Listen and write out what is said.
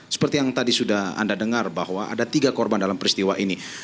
seperti yang tadi sudah anda dengar bahwa ada tiga korban dalam peristiwa ini